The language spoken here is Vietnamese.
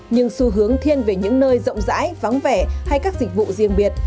nhưng xu hướng thiên về những nơi rộng rãi vắng vẻ hay các dịch vụ riêng biệt